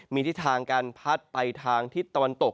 มีทิศทางการพัดไปทางทิศตะวันตก